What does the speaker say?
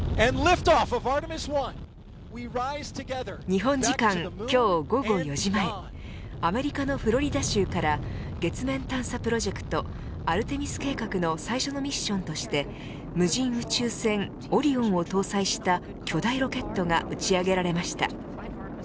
日本時間今日午後４時前アメリカのフロリダ州から月面探査プロジェクトアルテミス計画の最初のミッションとして無人宇宙船オリオンを搭載した巨大ロケットが打ち上げられました。